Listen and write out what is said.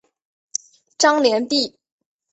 张联第。